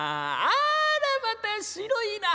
あらまた白いな。